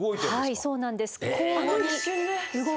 はいそうなんです。